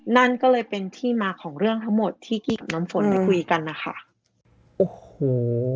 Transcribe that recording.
นั่นก็เลยเป็นที่มาของเรื่องทั้งหมดที่กี้กับน้ำฝนไปคุยกันนะคะโอ้โห